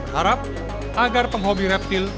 harap agar penghobi reptil